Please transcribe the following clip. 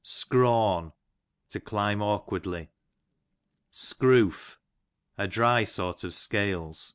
Scrawn, to climb aiokicardly . Scroof, (( dry sort of scales.